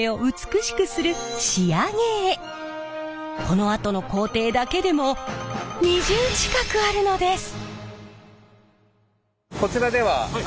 このあとの工程だけでも２０近くあるのです。